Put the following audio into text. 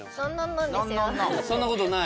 そんなことない？